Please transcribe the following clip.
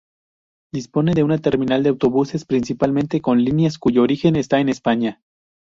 Dispone de una terminal de autobuses, principalmente con líneas cuyo origen está en España.